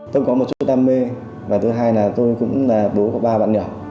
tôi có một chút đam mê và thứ hai là tôi cũng là bố có ba bạn nhỏ